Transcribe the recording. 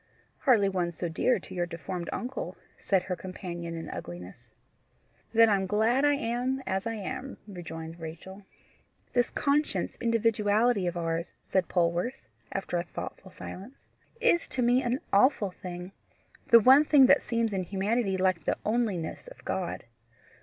"Hardly one so dear to your deformed uncle," said her companion in ugliness. "Then I'm glad I am as I am," rejoined Rachel. "This conscious individuality of ours," said Polwarth, after a thoughtful silence, "is to me an awful thing the one thing that seems in humanity like the onliness of God.